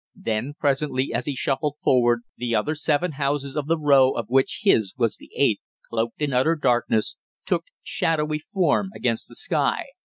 Then presently as he shuffled forward, the other seven houses of the row of which his was the eighth, cloaked in utter darkness, took shadowy form against the sky.